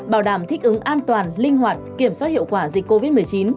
bảo đảm thích ứng an toàn linh hoạt kiểm soát hiệu quả dịch covid một mươi chín